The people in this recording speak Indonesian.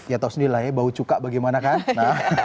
ya tau sendiri lah ya bau cuka bagaimana kan